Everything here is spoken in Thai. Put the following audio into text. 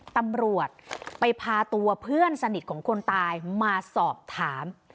ตำรวจไปพาตัวเพื่อนสนิทของคนตายมาสอบถาม